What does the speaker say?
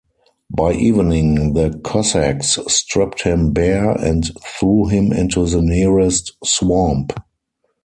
By evening, the Cossacks stripped him bare, and threw him into the nearest swamp.